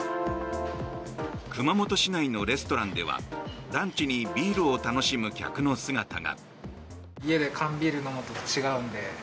熊本市内のレストランではランチにビールを楽しむ客の姿が。